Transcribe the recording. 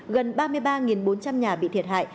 gần ba mươi ba bốn trăm linh nhà bị thiệt hại